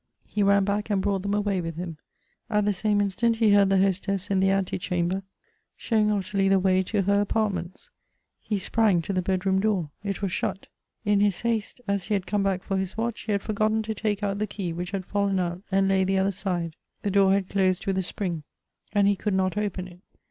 He ran back and brought them away with him. At the same instant he heard the hostess in the antechamber showing Ottilie the way to her apartments. He sprang to the bedroom door. It was shut. In his haste, as he had come back for his watch, he had forgotten to take out the key, which had fallen out, and lay the other side. The door had closed with a spring, and he could not open it.